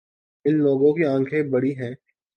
اِن لوگوں کی آنکھیں بڑی ہیں